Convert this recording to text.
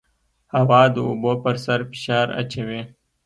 هوا د اوبو پر سر فشار اچوي.